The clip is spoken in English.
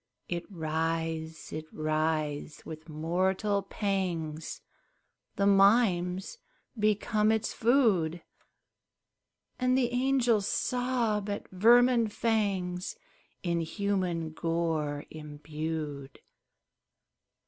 It writhes! it writhes! with mortal pangs The mimes become its food, And the angels sob at vermin fangs In human gore imbued.